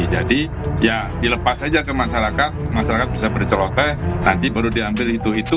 jadi ya dilepas saja ke masyarakat masyarakat bisa berceloteh nanti baru diambil itu